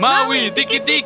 maui dikit dikit atarangga